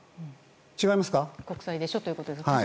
違いますか。